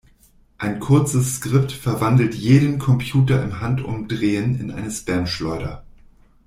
Ein kurzes Skript verwandelt jeden Computer im Handumdrehen in eine Spamschleuder.